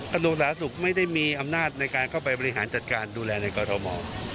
กระทรวงสาธารณสุขไม่ได้มีอำนาจในการเข้าไปบริหารจัดการดูแลในกรทม